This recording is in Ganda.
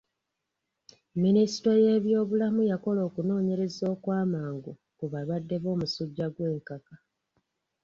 Minisitule y'ebyobulamu yakola okunoonyereza okw'amagu ku balwadde b'omusujja gw'enkaka.